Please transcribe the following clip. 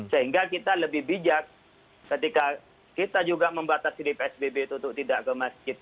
sehingga kita lebih bijak ketika kita juga membatasi di psbb itu untuk tidak ke masjid